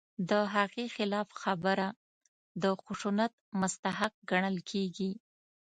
د هغې خلاف خبره د خشونت مستحق ګڼل کېږي.